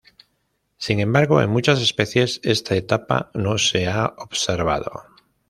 Sin embargo en muchas especies esta etapa no se ha observado.